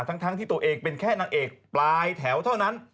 ทั้งที่ตัวเองเป็นแค่นางเอกปลายแถวเท่านั้น